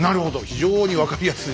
非常に分かりやすい。